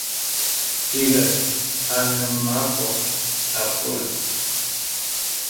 Pìghə̀ ane mə anbô àpolə̀.